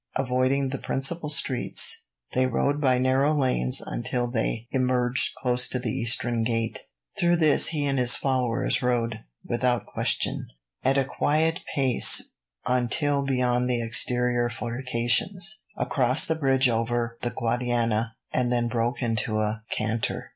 Avoiding the principal streets, they rode by narrow lanes until they emerged close to the eastern gate. Through this he and his followers rode, without question, at a quiet pace until beyond the exterior fortifications, across the bridge over the Guadiana, and then broke into a canter.